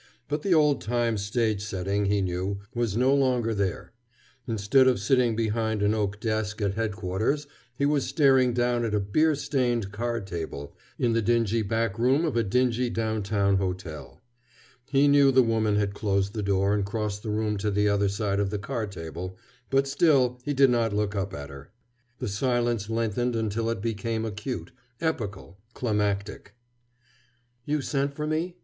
But the old time stage setting, he knew, was no longer there. Instead of sitting behind an oak desk at Headquarters, he was staring down at a beer stained card table in the dingy back room of a dingy downtown hotel. He knew the woman had closed the door and crossed the room to the other side of the card table, but still he did not look up at her. The silence lengthened until it became acute, epochal, climactic. "You sent for me?"